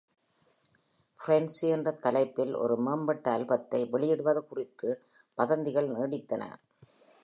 "Frenzy" என்ற தலைப்பில் ஒரு மேம்பட்ட ஆல்பத்தை வெளியிடுவது குறித்து வதந்திகள் நீடித்தன.